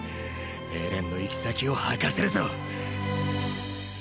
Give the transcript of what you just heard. エレンの行き先を吐かせるぞ。